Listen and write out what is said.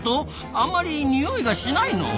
あんまり匂いがしないの？